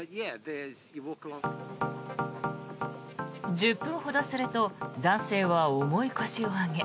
１０分ほどすると男性は重い腰を上げ